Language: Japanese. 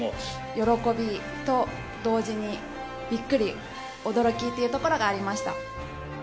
喜びと同時に、びっくり、驚きというところがありました。